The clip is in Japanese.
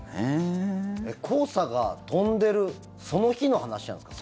黄砂が飛んでいるその日の話なんですか？